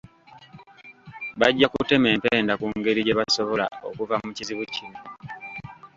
Bajja kutema empenda ku ngeri gye basobola okuva mu kizibu kino.